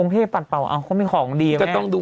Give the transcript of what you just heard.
องค์เทพปัดเป่าเขาไม่ของดีแม่